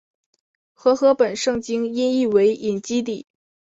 和合本圣经音译为隐基底。